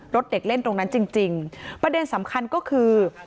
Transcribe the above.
เด็กเล่นตรงนั้นจริงจริงประเด็นสำคัญก็คือ